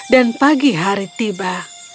dan pagi hari tiba